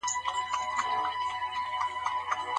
ښځو ته د طبابت زده کول ولي ضرور دي؟